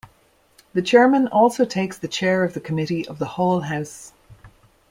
The Chairman also takes the Chair of the Committee of the Whole House.